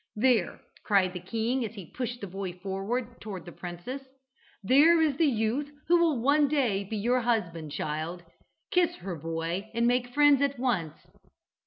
"There," cried the king as he pushed the boy forward towards the princess, "there is the youth who will one day be your husband, child. Kiss her, boy, and make friends at once."